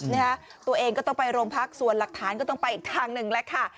นะฮะตัวเองก็ต้องไปโรงพักส่วนหลักฐานก็ต้องไปอีกทางหนึ่งแล้วค่ะ